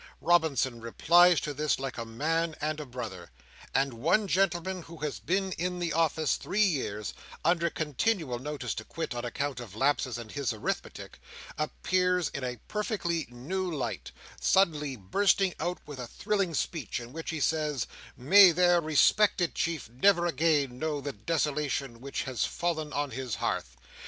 Robinson replies to this like a man and a brother; and one gentleman who has been in the office three years, under continual notice to quit on account of lapses in his arithmetic, appears in a perfectly new light, suddenly bursting out with a thrilling speech, in which he says, May their respected chief never again know the desolation which has fallen on his hearth!